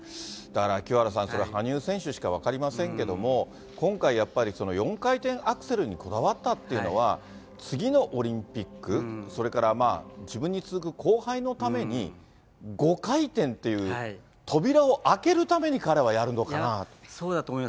だから清原さん、それ、羽生選手しか分かりませんけども、今回、やっぱり４回転アクセルにこだわったっていうのは、次のオリンピック、それから自分に続く後輩のために、５回転っていう扉を開けるために彼はやるのかなと。